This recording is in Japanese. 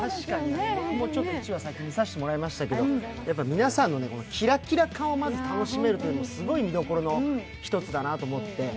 １話を先に見させていただきましたけれども、皆さんのキラキラ感を楽しめるというのが、すごい見どころの一つだなと思って。